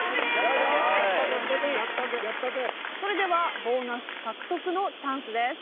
それではボーナス獲得のチャンスです。